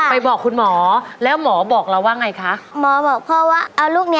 อ่าแล้วก็เป็น